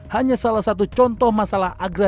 hanya salah satu contoh masalah agrafi